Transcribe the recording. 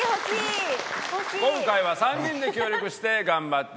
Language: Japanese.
今回は３人で協力して頑張っていただきたいと思います。